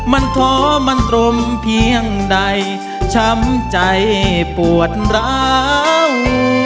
มันท้อมันตรมเพียงใดช้ำใจปวดร้าว